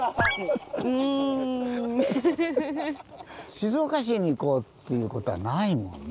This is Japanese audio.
「静岡市に行こう」っていうことはないもんな